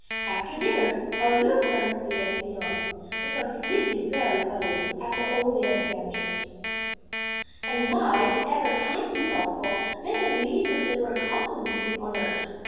After dinner, our little friends began to yawn. They felt sleepy very early, after all their adventures; and, Light ever kind and thoughtful made them live as they were accustomed to on earth.